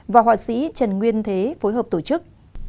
và họa sĩ trần nguyên thế phối hợp tổ chức